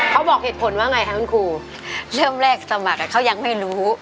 เขาบอกเหตุผลว่าไงคะคุณครูเริ่มแรกสมัครเขายังไม่รู้